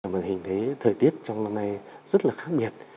màn hình thấy thời tiết trong năm nay rất là khác biệt